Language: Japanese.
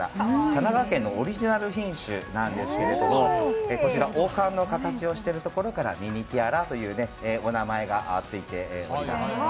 香川県のオリジナル品種なんですけどこちら、王冠の形をしていることからミニティアラというお名前がついております。